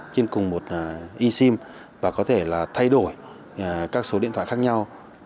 trên cùng một e sim và có thể là thay đổi các số điện thoại khác nhau